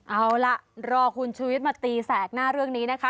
เอาล่ะรอคุณชูวิทย์มาตีแสกหน้าเรื่องนี้นะคะ